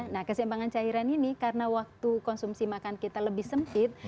nah kesimpangan cairan ini karena waktu konsumsi makan kita lebih sempit